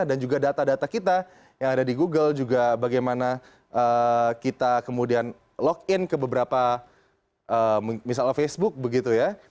dan juga data data kita yang ada di google juga bagaimana kita kemudian login ke beberapa misalnya facebook begitu ya